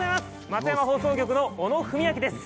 松山放送局の小野文明です。